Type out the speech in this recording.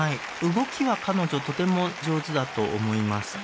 動きは彼女とても上手だと思います。